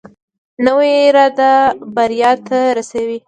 نوې اراده بریا ته رسوي